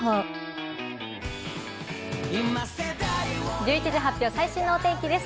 １１時発表、最新のお天気です。